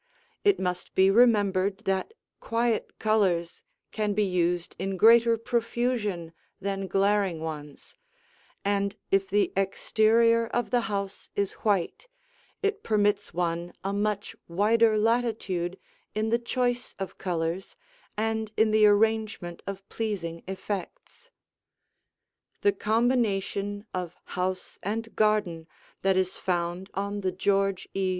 It must be remembered that quiet colors can be used in greater profusion than glaring ones; and if the exterior of the house is white, it permits one a much wider latitude in the choice of colors and in the arrangement of pleasing effects. The combination of house and garden that is found on the George E.